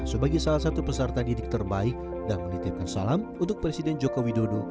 sebagai salah satu peserta didik terbaik dan menitipkan salam untuk presiden joko widodo